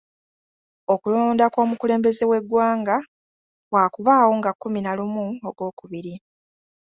Okulonda kw'omukulembeze w'eggwanga kwakubaawo nga kkumi na lumu Ogwokubiri.